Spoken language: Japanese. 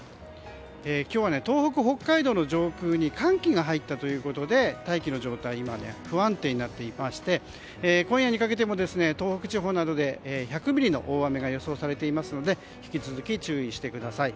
今日、東北、北海道の上空に寒気が入ったということで大気の状態は不安定になっていまして今夜にかけても東北地方などで１００ミリの大雨が予想されていますので引き続き注意してください。